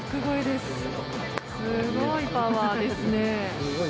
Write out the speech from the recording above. すごいパワーですね。